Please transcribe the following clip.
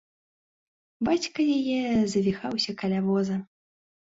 Бацька яе завіхаўся каля воза.